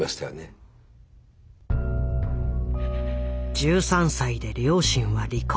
１３歳で両親は離婚。